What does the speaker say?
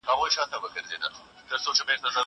ليکلي پاڼي ترتيب کړه!